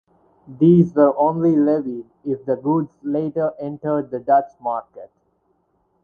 These were only levied if the goods later entered the Dutch market.